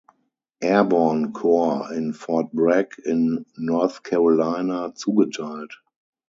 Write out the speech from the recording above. Airborne Corps in Fort Bragg in North Carolina zugeteilt.